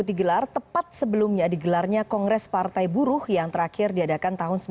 agar dia bisa mencari apa yang dia percaya dia telah mencapai tahun ini